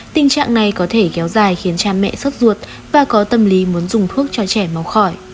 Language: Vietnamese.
tình trạng này có thể kéo dài khiến cha mẹ sốt ruột và có tâm lý muốn dùng thuốc cho trẻ máu khỏi